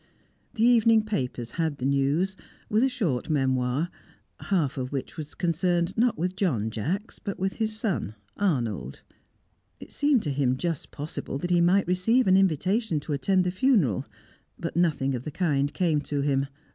The evening papers had the news, with a short memoir half of which was concerned not with John Jacks, but with his son Arnold. It seemed to him just possible that he might receive an invitation to attend the funeral; but nothing of the kind came to him.